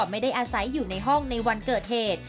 ไม่ได้อาศัยอยู่ในห้องในวันเกิดเหตุ